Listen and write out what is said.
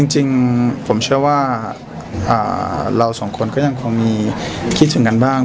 จริงผมเชื่อว่าเราสองคนก็ยังคงมีคิดถึงกันบ้าง